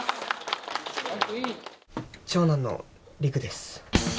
長男の陸です